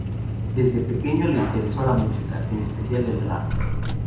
Desde pequeño le interesó la música, en especial el rap.